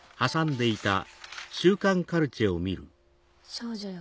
「少女よ